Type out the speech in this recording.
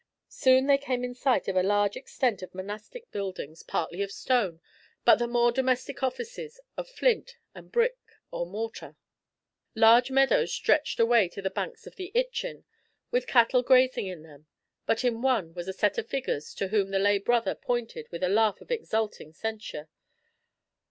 Soon they came in sight of a large extent of monastic buildings, partly of stone, but the more domestic offices of flint and brick or mortar. Large meadows stretched away to the banks of the Itchen, with cattle grazing in them, but in one was a set of figures to whom the lay brother pointed with a laugh of exulting censure.